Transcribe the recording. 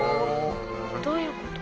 どういうこと？